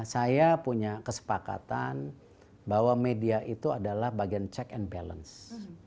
saya punya kesepakatan bahwa media itu adalah bagian check and balance